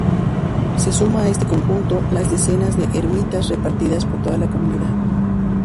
Se suman a este conjunto las decenas de ermitas repartidas por toda la Comunidad.